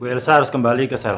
semoga hari itu ini di hati dua